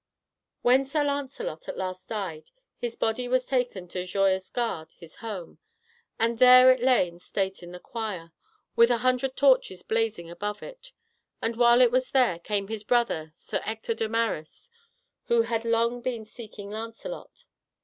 When Sir Lancelot at last died, his body was taken to Joyous Gard, his home, and there it lay in state in the choir, with a hundred torches blazing above it; and while it was there, came his brother Sir Ector de Maris, who had long been seeking Lancelot.